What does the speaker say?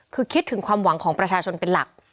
คือคิดถึงความหวังของประชาชนเป็นหลัก